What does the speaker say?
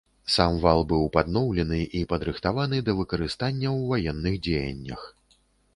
Сам вал быў падноўлены і падрыхтаваны да выкарыстання ў ваенных дзеяннях.